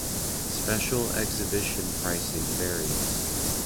Special exhibition pricing varies.